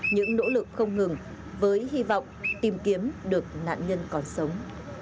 những nỗ lực không ngừng với hy vọng tìm kiếm được nạn nhân còn sống